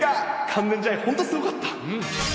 完全試合、本当すごかった。